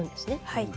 はい。